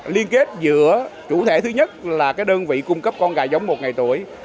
liên kết giữa chủ thể thứ nhất là đơn vị cung cấp con gà giống một ngày tuổi